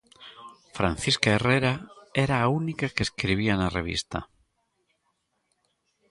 Francisca Herrera era a única que escribía na revista.